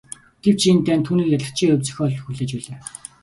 Гэвч энэ дайнд түүнийг ялагдагчийн хувь зохиол хүлээж байгаа.